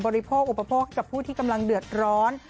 โภคอุปโภคกับผู้ที่กำลังเดือดร้อน